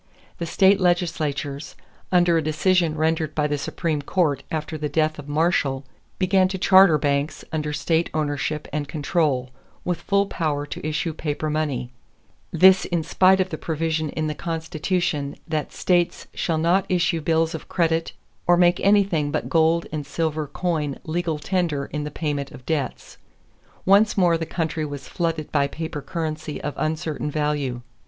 The state legislatures, under a decision rendered by the Supreme Court after the death of Marshall, began to charter banks under state ownership and control, with full power to issue paper money this in spite of the provision in the Constitution that states shall not issue bills of credit or make anything but gold and silver coin legal tender in the payment of debts. Once more the country was flooded by paper currency of uncertain value.